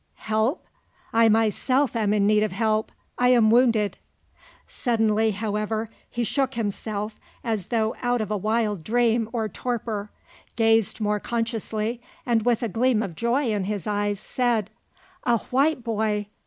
Help? I myself am in need of help. I am wounded." Suddenly, however, he shook himself as though out of a wild dream or torpor, gazed more consciously, and, with a gleam of joy in his eyes, said: "A white boy!